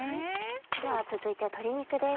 では続いて鶏肉です。